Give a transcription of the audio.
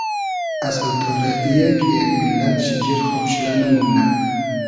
اسل تۉرۂ ای یۂ کی یئگ میللئد شیجیر خاوشیلۂ نئمومنۂ